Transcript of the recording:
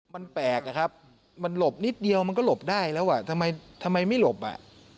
มันแปลกอะครับมันหลบนิดเดียวมันก็หลบได้แล้วอ่ะทำไมทำไมไม่หลบอ่ะ